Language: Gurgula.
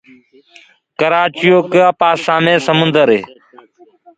ڪرآچيو ڪآ پآسآ مي سمونٚدر هي